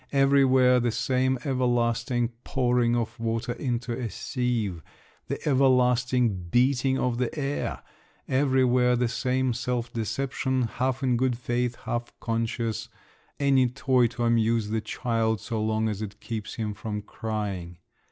Everywhere the same ever lasting pouring of water into a sieve, the ever lasting beating of the air, everywhere the same self deception—half in good faith, half conscious—any toy to amuse the child, so long as it keeps him from crying.